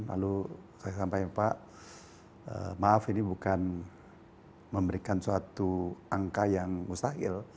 lalu saya sampaikan pak maaf ini bukan memberikan suatu angka yang mustahil